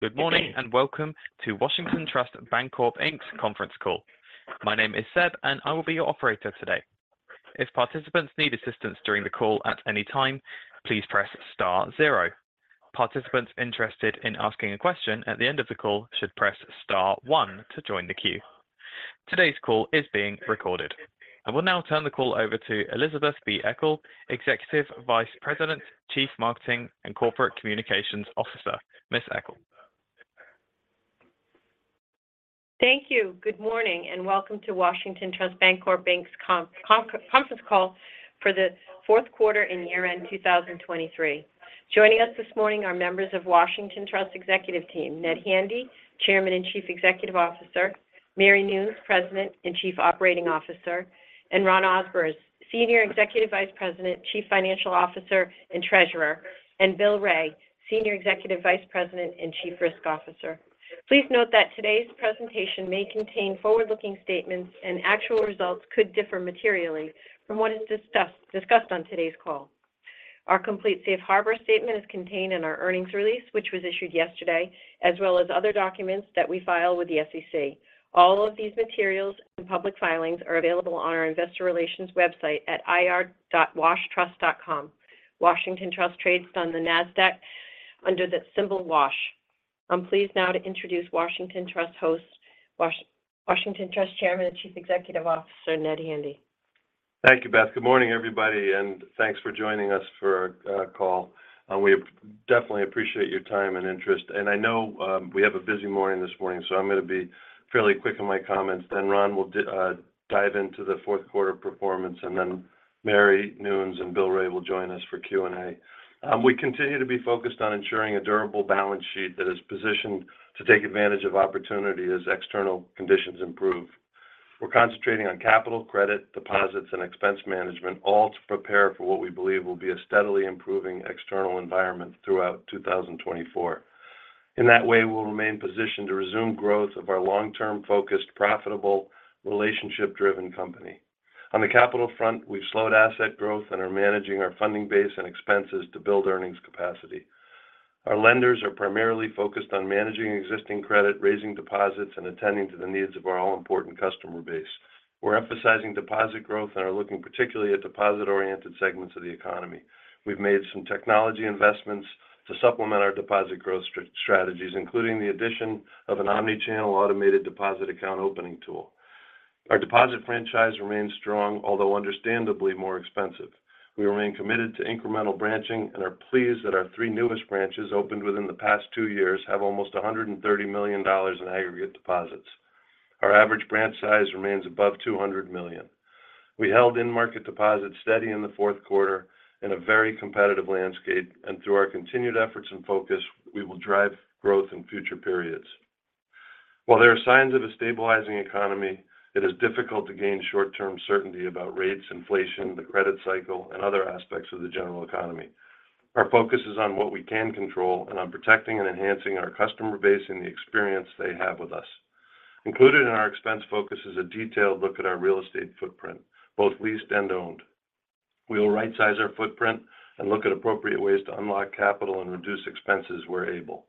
Good morning, and welcome to Washington Trust Bancorp, Inc.'s conference call. My name is Seb, and I will be your operator today. If participants need assistance during the call at any time, please press star zero. Participants interested in asking a question at the end of the call should press star one to join the queue. Today's call is being recorded. I will now turn the call over to Elizabeth B. Eckel, Executive Vice President, Chief Marketing and Corporate Communications Officer. Ms. Eckel. Thank you. Good morning, and welcome to Washington Trust Bancorp, Inc.'s conference call for the Q4 and year-end 2023. Joining us this morning are members of Washington Trust executive team, Ned Handy, Chairman and Chief Executive Officer, Mary Noons, President and Chief Operating Officer, and Ron Ohsberg, Senior Executive Vice President, Chief Financial Officer, and Treasurer, and Bill Wray, Senior Executive Vice President and Chief Risk Officer. Please note that today's presentation may contain forward-looking statements, and actual results could differ materially from what is discussed on today's call. Our complete safe harbor statement is contained in our earnings release, which was issued yesterday, as well as other documents that we file with the SEC. All of these materials and public filings are available on our investor relations website at ir.washtrust.com. Washington Trust trades on the NASDAQ under the symbol WASH. I'm pleased now to introduce Washington Trust host, Washington Trust Chairman and Chief Executive Officer, Ned Handy. Thank you, Beth. Good morning, everybody, and thanks for joining us for our call. We definitely appreciate your time and interest, and I know we have a busy morning this morning, so I'm going to be fairly quick in my comments then Ron will dive into the Q4 performance, and then Mary Noons and Bill Wray will join us for Q&A. We continue to be focused on ensuring a durable balance sheet that is positioned to take advantage of opportunity as external conditions improve. We're concentrating on capital, credit, deposits, and expense management, all to prepare for what we believe will be a steadily improving external environment throughout 2024. In that way, we'll remain positioned to resume growth of our long-term focused, profitable, relationship-driven company. On the capital front, we've slowed asset growth and are managing our funding base and expenses to build earnings capacity. Our lenders are primarily focused on managing existing credit, raising deposits, and attending to the needs of our all-important customer base. We're emphasizing deposit growth and are looking particularly at deposit-oriented segments of the economy. We've made some technology investments to supplement our deposit growth strategies, including the addition of an omni-channel automated deposit account opening tool. Our deposit franchise remains strong, although understandably more expensive. We remain committed to incremental branching and are pleased that our three newest branches, opened within the past two years, have almost $130 million in aggregate deposits. Our average branch size remains above $200 million. We held in-market deposits steady in the Q4 in a very competitive landscape, and through our continued efforts and focus, we will drive growth in future periods. While there are signs of a stabilizing economy, it is difficult to gain short-term certainty about rates, inflation, the credit cycle, and other aspects of the general economy. Our focus is on what we can control and on protecting and enhancing our customer base and the experience they have with us. Included in our expense focus is a detailed look at our real estate footprint, both leased and owned. We will rightsize our footprint and look at appropriate ways to unlock capital and reduce expenses where able.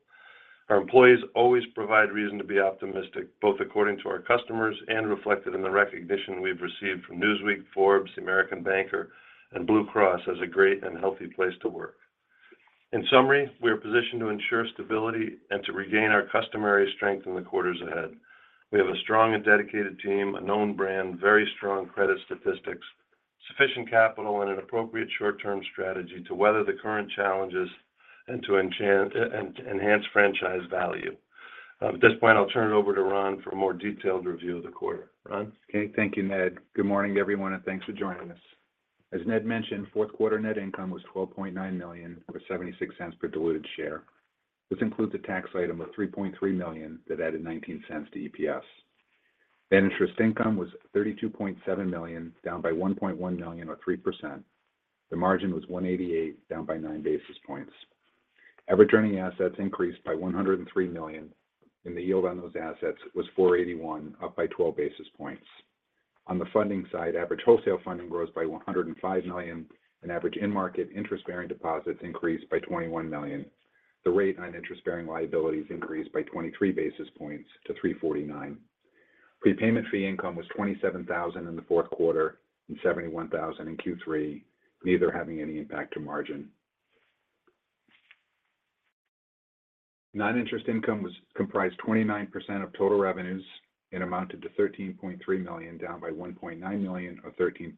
Our employees always provide reason to be optimistic, both according to our customers and reflected in the recognition we've received from Newsweek, Forbes, the American Banker, and Blue Cross as a great and healthy place to work. In summary, we are positioned to ensure stability and to regain our customary strength in the quarters ahead. We have a strong and dedicated team, a known brand, very strong credit statistics, sufficient capital, and an appropriate short-term strategy to weather the current challenges and to enchant-- and, and enhance franchise value. At this point, I'll turn it over to Ron for a more detailed review of the quarter. Ron? Okay. Thank you, Ned. Good morning, everyone, and thanks for joining us. As Ned mentioned, Q4 net income was $12.9 million or $0.76 per diluted share. This includes a tax item of $3.3 million that added $0.19 to EPS. Net interest income was $32.7 million, down by $1.1 million or 3%. The margin was 1.88, down by 9 basis points. Average earning assets increased by $103 million, and the yield on those assets was 4.81, up by 12 basis points. On the funding side, average wholesale funding grows by $105 million, and average in-market interest-bearing deposits increased by $21 million. The rate on interest-bearing liabilities increased by 23 basis points to 3.49. Prepayment fee income was $27 thousand in the Q4 and $71 thousand in Q3, neither having any impact to margin. Non-interest income was comprised 29% of total revenues and amounted to $13.3 million, down by $1.9 million or 13%.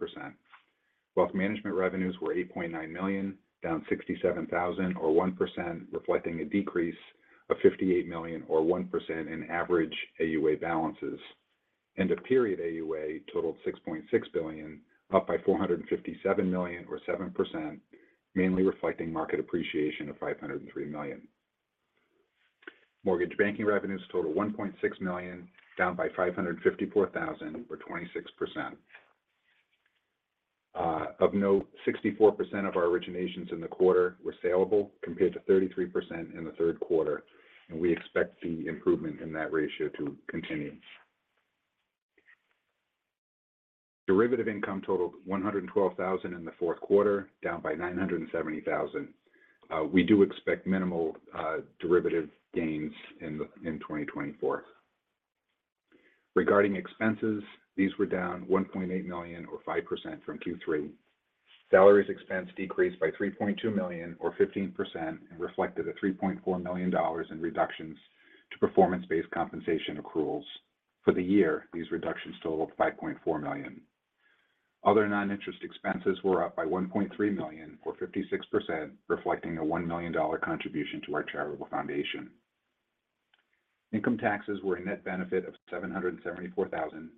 Wealth management revenues were $8.9 million, down $67 thousand or 1%, reflecting a decrease of $58 million or 1% in average AUA balances. End of period AUA totaled $6.6 billion, up by $457 million or 7%, mainly reflecting market appreciation of $503 million. Mortgage banking revenues totaled $1.6 million, down by $554,000 or 26%. Of note, 64% of our originations in the quarter were saleable, compared to 33% in the Q3, and we expect the improvement in that ratio to continue. Derivative income totaled $112,000 in the Q4, down by $970,000. We do expect minimal derivative gains in 2024. Regarding expenses, these were down $1.8 million, or 5% from Q3. Salaries expense decreased by $3.2 million, or 15%, and reflected a $3.4 million in reductions to performance-based compensation accruals. For the year, these reductions totaled $5.4 million. Other non-interest expenses were up by $1.3 million, or 56%, reflecting a $1 million contribution to our charitable foundation. Income taxes were a net benefit of $774,000.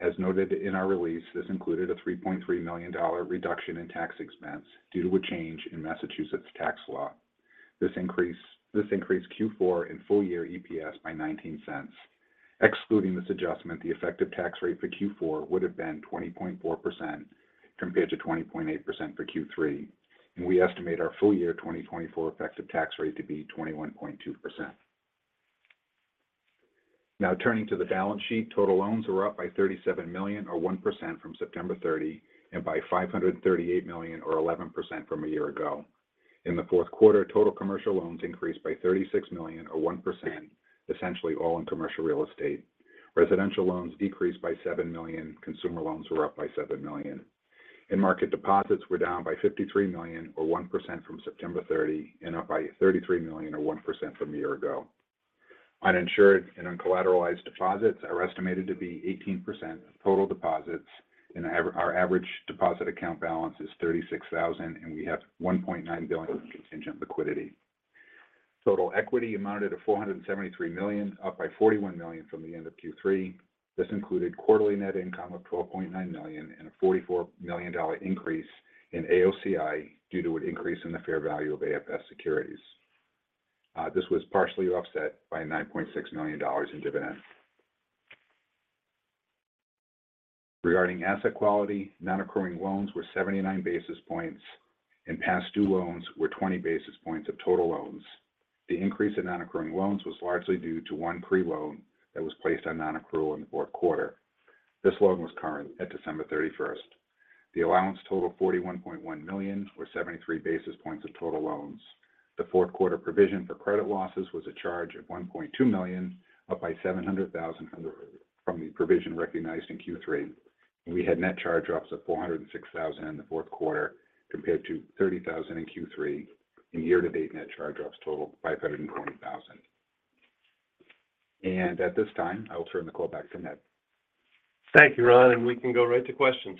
As noted in our release, this included a $3.3 million reduction in tax expense due to a change in Massachusetts tax law. This increased, this increased Q4 and full-year EPS by $0.19. Excluding this adjustment, the effective tax rate for Q4 would have been 20.4% compared to 20.8% for Q3, and we estimate our full-year 2024 effective tax rate to be 21.2%. Now, turning to the balance sheet, total loans were up by $37 million, or 1% from September 30, and by $538 million or 11% from a year ago. In the Q4, total commercial loans increased by $36 million, or 1%, essentially all in commercial real estate. Residential loans decreased by $7 million. Consumer loans were up by $7 million. In-market deposits were down by $53 million, or 1% from September 30, and up by $33 million, or 1% from a year ago. Uninsured and uncollateralized deposits are estimated to be 18% of total deposits, and our average deposit account balance is $36,000, and we have $1.9 billion in contingent liquidity. Total equity amounted to $473 million, up by $41 million from the end of Q3. This included quarterly net income of $12.9 million and a $44 million increase in AOCI due to an increase in the fair value of AFS securities. This was partially offset by $9.6 million in dividends. Regarding asset quality, non-accruing loans were 79 basis points, and past due loans were 20 basis points of total loans. The increase in non-accrual loans was largely due to one particular loan that was placed on non-accrual in the Q4. This loan was current at December 31. The allowance totaled $41.1 million, or 73 basis points of total loans. The Q4 provision for credit losses was a charge of $1.2 million, up by $700,000 from the provision recognized in Q3, and we had net charge-offs of $406,000 in the Q4, compared to $30,000 in Q3. In year-to-date, net charge-offs totaled $520,000. At this time, I will turn the call back to Ned. Thank you, Ron, and we can go right to questions.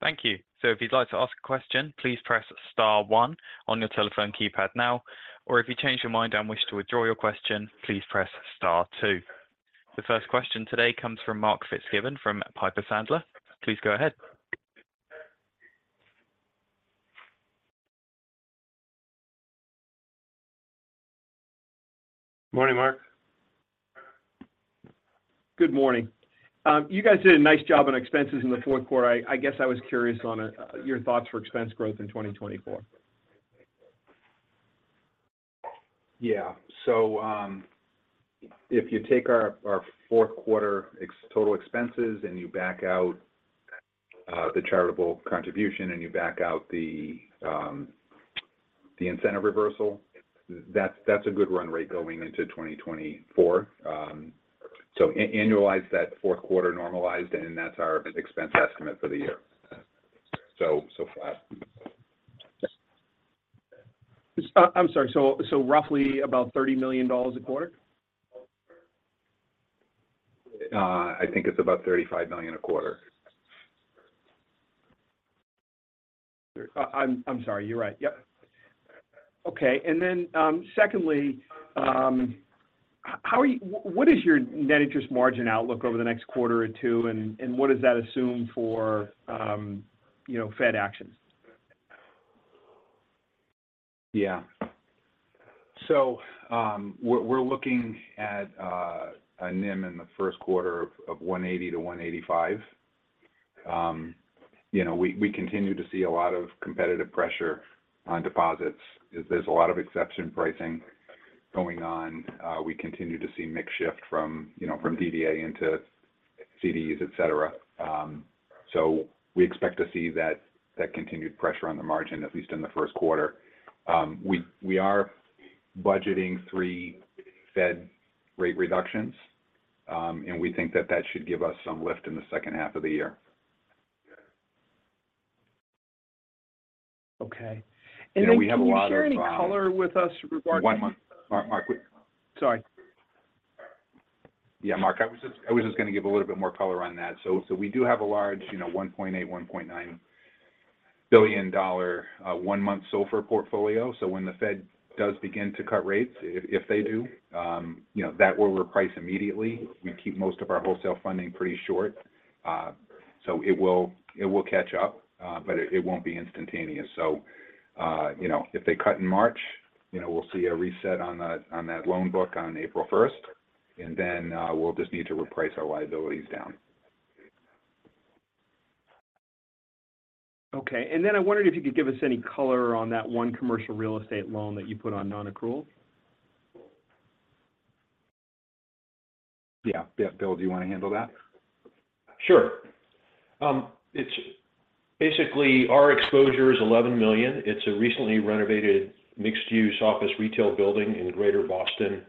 Thank you. So if you'd like to ask a question, please press star one on your telephone keypad now, or if you change your mind and wish to withdraw your question, please press star two. The first question today comes from Mark Fitzgibbon from Piper Sandler. Please go ahead. Morning, Mark. Good morning. You guys did a nice job on expenses in the Q4. I guess I was curious on your thoughts for expense growth in 2024. Yeah. So, if you take our Q4 ex- total expenses, and you back out the charitable contribution, and you back out the incentive reversal, that's a good run rate going into 2024. So annualize that Q4 normalized, and that's our expense estimate for the year. So far. I'm sorry, so roughly about $30 million a quarter? I think it's about $35 million a quarter. I'm sorry. You're right. Yep. Okay, and then, secondly, what is your net interest margin outlook over the next quarter or two, and what does that assume for, you know, Fed actions? Yeah. We're looking at a NIM in the Q1 of 1.80%-1.85%. You know, we continue to see a lot of competitive pressure on deposits. There's a lot of exception pricing going on. We continue to see mix shift from, you know, from DDA into CDs, et cetera. We expect to see that continued pressure on the margin, at least in the Q1. We are budgeting three Fed rate reductions, and we think that should give us some lift in the second half of the year. Okay. You know, we have a lot of- Can you share any color with us regarding? One month. Mark, Mark, quick. Sorry. Yeah, Mark, I was just, I was just gonna give a little bit more color on that. We do have a large, you know, $1.8-$1.9 billion, one-month SOFR portfolio. So when the Fed does begin to cut rates, if, if they do, you know, that will reprice immediately. We keep most of our wholesale funding pretty short. So it will, it will catch up, but it, it won't be instantaneous. You know, if they cut in March, you know, we'll see a reset on that, on that loan book on April 1, and then, we'll just need to reprice our liabilities down.... Okay, and then I wondered if you could give us any color on that one commercial real estate loan that you put on non-accrual? Yeah, Bill, do you want to handle that? Sure. It's basically our exposure is $11 million. It's a recently renovated mixed-use office retail building in Greater Boston.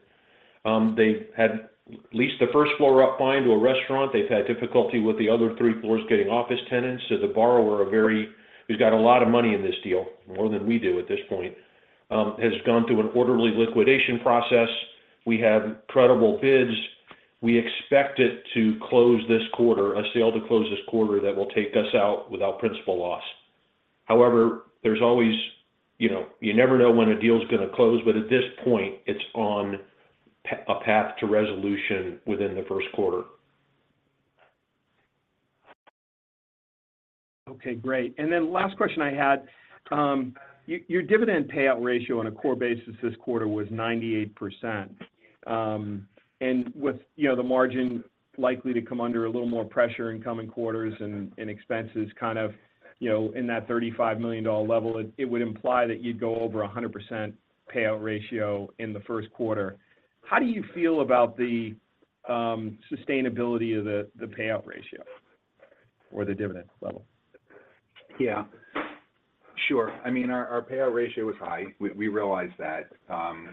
They had leased the first floor up fine to a restaurant they've had difficulty with the other three floors getting office tenants, so the borrower, a very who's got a lot of money in this deal, more than we do at this point, has gone through an orderly liquidation process. We have credible bids. We expect it to close this quarter, a sale to close this quarter that will take us out without principal loss. However, there's always. You know, you never know when a deal is going to close, but at this point, it's on a path to resolution within the Q1. Okay, great. Then last question I had, your, your dividend payout ratio on a core basis this quarter was 98%. With, you know, the margin likely to come under a little more pressure in coming quarters and, and expenses kind of, you know, in that $35 million level, it, it would imply that you'd go over 100% payout ratio in the Q1. How do you feel about the, sustainability of the, the payout ratio? or the dividend level? Yeah. Sure. I mean, our payout ratio is high. We realize that.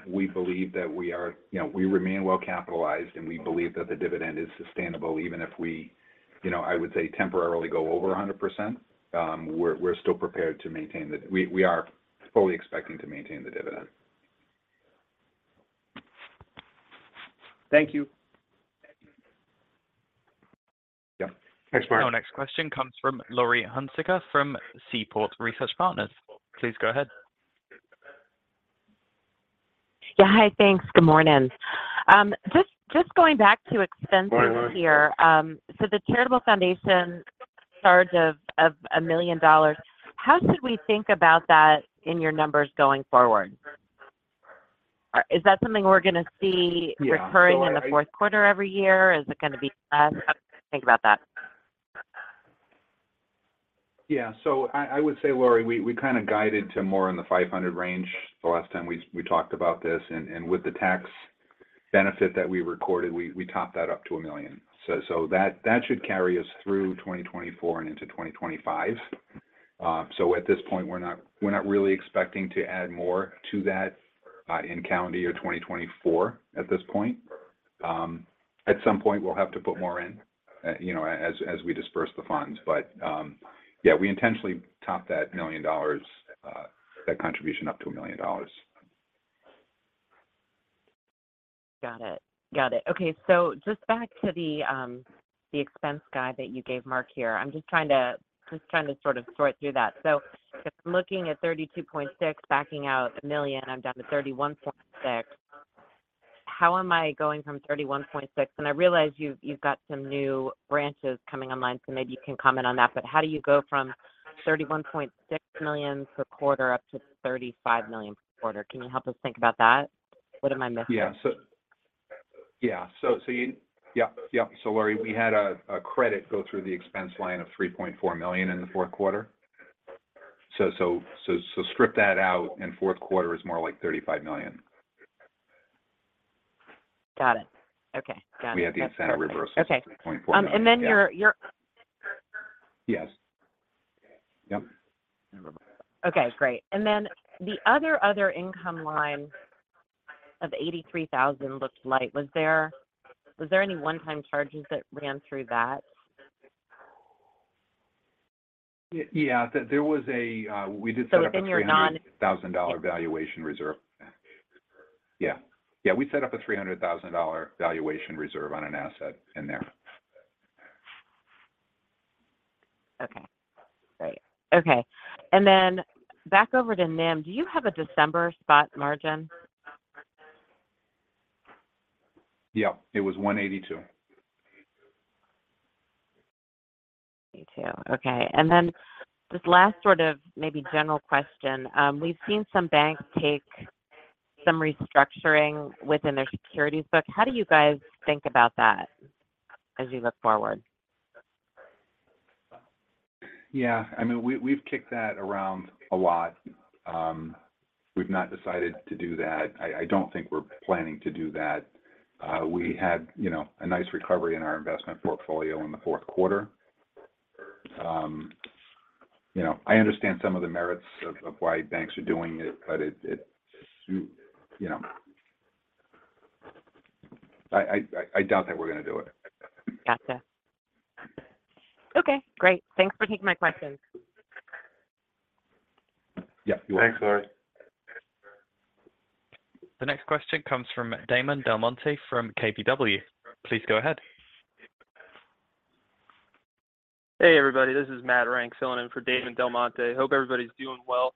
We believe that we are, you know, we remain well-capitalized, and we believe that the dividend is sustainable, even if we, you know, I would say, temporarily go over 100%. We're still prepared to maintain the... We are fully expecting to maintain the dividend. Thank you. Yeah. Thanks, Mark. Our next question comes from Laurie Hunsicker from Seaport Research Partners. Please go ahead. Yeah. Hi, thanks. Good morning. Just going back to expenses here. Right. The charitable foundation charge of $1 million, how should we think about that in your numbers going forward? Or is that something we're going to see- so I- -recurring in the Q4 every year? Is it going to be less? How do we think about that? Yeah. I would say, Laurie, we kind of guided to more in the $500,000 range the last time we talked about this, and with the tax benefit that we recorded, we topped that up to $1 million. So that should carry us through 2024 and into 2025. So at this point, we're not really expecting to add more to that in calendar year 2024, at this point. At some point, we'll have to put more in, you know, as we disburse the funds but yeah, we intentionally topped that $1 million, that contribution up to $1 million. Got it. Okay, so just back to the expense guide that you gave Mark here. I'm just trying to—just trying to sort through that. If I'm looking at $32.6 million, backing out $1 million, I'm down to $31.6 million. How am I going from $31.6 million—and I realize you've got some new branches coming online, so maybe you can comment on that, but how do you go from $31.6 million per quarter up to $35 million per quarter? Can you help us think about that? What am I missing? Yeah, so Laurie, we had a credit go through the expense line of $3.4 million in the Q4. Strip that out, and Q4 is more like $35 million. Got it. Okay, got it. We had the incentive reversal- Okay. $3.4 million. yeah. And then your Yes. Yep. Okay, great. Then the other income line of $83,000 looked light. Was there any one-time charges that ran through that? Yeah, there was a, we did set up- So in your non- $1,000 valuation reserve. Yeah. Yeah, we set up a $300,000 valuation reserve on an asset in there. Okay, great. Okay, and then back over to NIM. Do you have a December spot margin? Yeah, it was 182. 82. Okay, and then just last sort of maybe general question. We've seen some banks take some restructuring within their securities book how do you guys think about that as you look forward? Yeah, I mean, we've kicked that around a lot. We've not decided to do that. I don't think we're planning to do that. We had, you know, a nice recovery in our investment portfolio in the Q4. You know, I understand some of the merits of why banks are doing it, but it, you know... I doubt that we're going to do it. Gotcha. Okay, great. Thanks for taking my questions. Yeah, you're welcome. Thanks, Laurie. The next question comes from Damon DelMonte from KBW. Please go ahead. Hey, everybody. This is Matt Renck, filling in for Damon DelMonte. Hope everybody's doing well.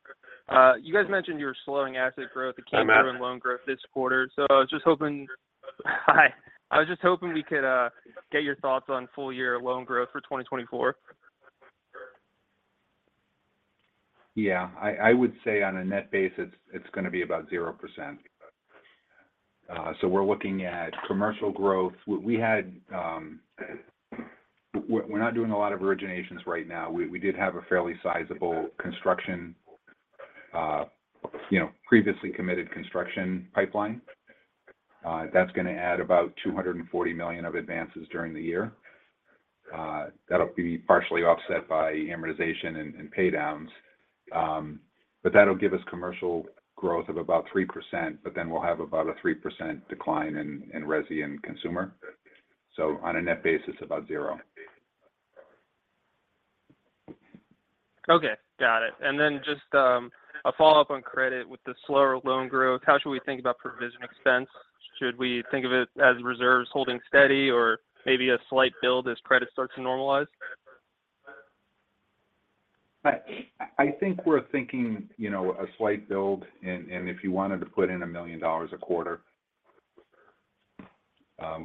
You guys mentioned you were slowing asset growth- Hi, Matt... and loan growth this quarter. I was just hoping. I was just hoping we could get your thoughts on full year loan growth for 2024. Yeah. I would say on a net basis, it's going to be about 0%... so we're looking at commercial growth. We had, we're not doing a lot of originations right now we did have a fairly sizable construction, you know, previously committed construction pipeline. That's gonna add about $240 million of advances during the year. That'll be partially offset by amortization and pay downs. But that'll give us commercial growth of about 3%, but then we'll have about a 3% decline in resi and consumer. So on a net basis, about zero. Okay, got it. Then just, a follow-up on credit with the slower loan growth, how should we think about provision expense? Should we think of it as reserves holding steady or maybe a slight build as credit starts to normalize? I think we're thinking, you know, a slight build and if you wanted to put in $1 million a quarter.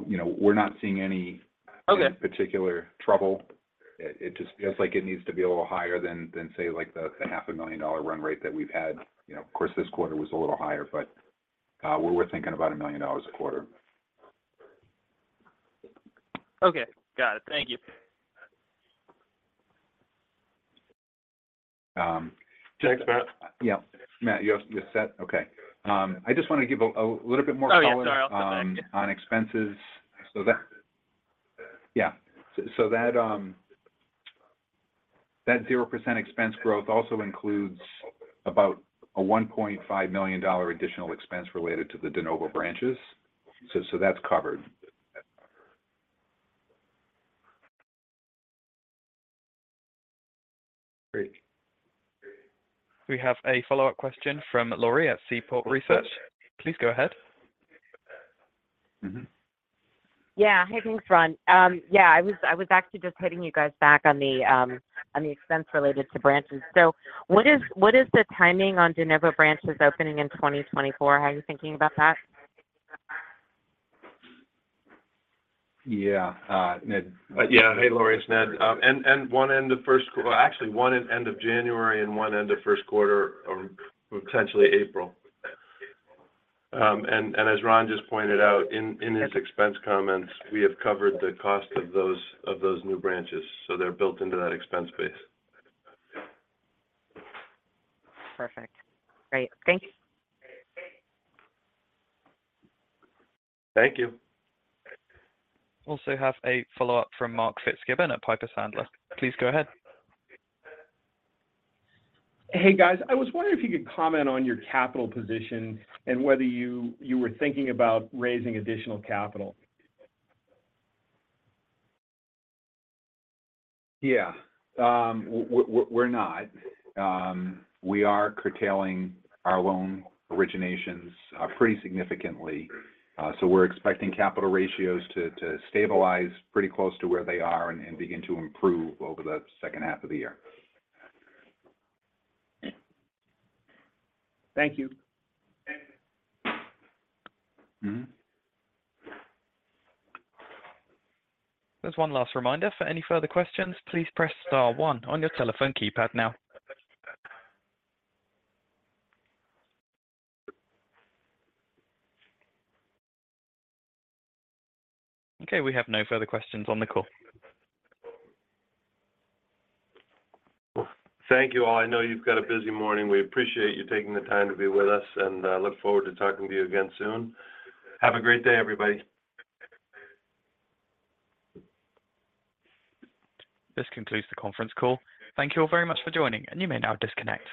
You know, we're not seeing any- Okay... particular trouble. It just feels like it needs to be a little higher than, say, like the $500,000 run rate that we've had. You know, of course, this quarter was a little higher, but we're thinking about $1 million a quarter. Okay. Got it. Thank you. Thanks, Matt. Yeah. Matt, you're set? Okay. I just want to give a little bit more color- Oh, yeah. Sorry, I'll stop then.... on expenses. That 0% expense growth also includes about a $1.5 million additional expense related to the de novo branches. So that's covered. Great. We have a follow-up question from Laurie at Seaport Research. Please go ahead. Mm-hmm. Yeah. Hey, thanks, Ron. Yeah, I was actually just hitting you guys back on the expense related to branches. What is the timing on de novo branches opening in 2024? How are you thinking about that? Yeah, Ned. Yeah. Hey, Laurie, it's Ned. Well, actually, one at end of January and one at end of Q1 or potentially April. As Ron just pointed out, in his expense comments, we have covered the cost of those new branches, so they're built into that expense base. Perfect. Great. Thank you. Thank you. Also have a follow-up from Mark Fitzgibbon at Piper Sandler. Please go ahead. Hey, guys. I was wondering if you could comment on your capital position and whether you, you were thinking about raising additional capital? Yeah. We're not. We are curtailing our loan originations pretty significantly. So we're expecting capital ratios to stabilize pretty close to where they are and begin to improve over the second half of the year. Thank you. Mm-hmm. There's one last reminder. For any further questions, please press star one on your telephone keypad now. Okay, we have no further questions on the call. Thank you, all. I know you've got a busy morning. We appreciate you taking the time to be with us, and look forward to talking to you again soon. Have a great day, everybody. This concludes the conference call. Thank you all very much for joining, and you may now disconnect.